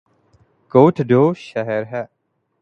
کوٹ ادو شہر ہے